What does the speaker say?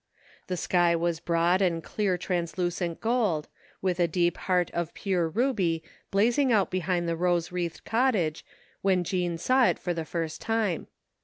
The sky was broad and clear translucent gold, with a deep heart of pure ruby blazing out behind the rose wreathed cottage when Jean saw it for the first time.